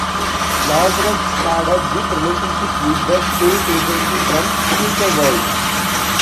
Lazarus had a good relationship with the space agency from "Futureworld".